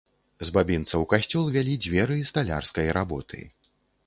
З бабінца ў касцёл вялі дзверы сталярскай работы.